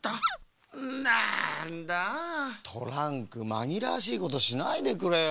まぎらわしいことしないでくれよ。